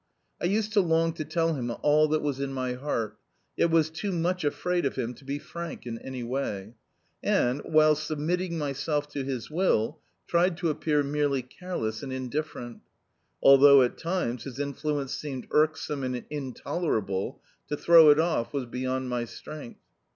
I used to long to tell him all that was in my heart, yet was too much afraid of him to be frank in any way, and, while submitting myself to his will, tried to appear merely careless and indifferent. Although at times his influence seemed irksome and intolerable, to throw it off was beyond my strength.